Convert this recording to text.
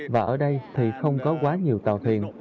và ở đây thì không có quá nhiều tàu thuyền